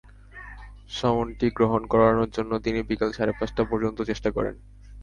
সমনটি গ্রহণ করানোর জন্য তিনি বিকেল সাড়ে পাঁচটা পর্যন্ত চেষ্টা করেন।